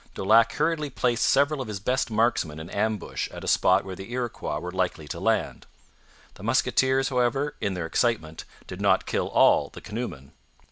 Daulac hurriedly placed several of his best marksmen in ambush at a spot where the Iroquois were likely to land. The musketeers, however, in their excitement, did not kill all the canoemen.